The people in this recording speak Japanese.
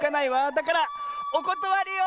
だからおことわりよ！